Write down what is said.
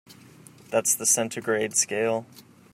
That's the centigrade scale.